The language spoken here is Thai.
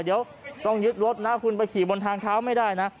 เดี๋ยวต้องยึดรถนะคุณไปขี่บนทางเท้าไม่ได้นะ